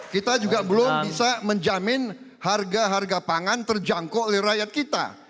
kita juga belum bisa menjamin harga harga pangan terjangkau oleh rakyat kita